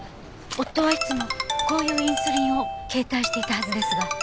夫はいつもこういうインスリンを携帯していたはずですが。